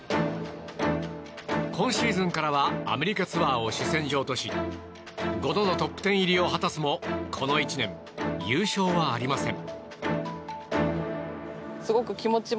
今シーズンからはアメリカツアーを主戦場とし５度のトップ１０入りを果たすもこの１年、優勝はありません。